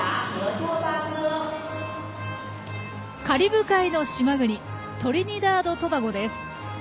カリブ海の島国トリニダード・トバゴです。